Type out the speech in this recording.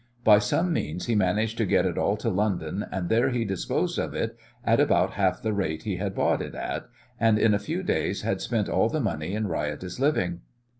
By some means he managed to get it all to London, and there he disposed of it at about half the rate he had bought it at, and in a few days had spent all the money in riotous living.